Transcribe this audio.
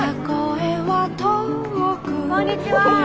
こんにちは。